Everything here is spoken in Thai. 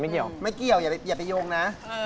ไม่เกี่ยวอย่าไปโยงนะ